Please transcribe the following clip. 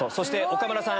岡村さん